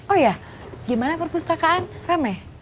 oh iya gimana perpustakaan ramai